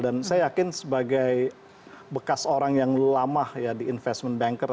dan saya yakin sebagai bekas orang yang lama ya di investment banker